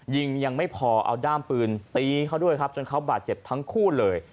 ยังไม่พอเอาด้ามปืนตีเขาด้วยครับจนเขาบาดเจ็บทั้งคู่เลย